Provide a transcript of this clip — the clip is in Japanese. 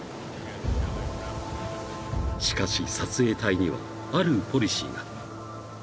［しかし撮影隊にはあるポリシーが］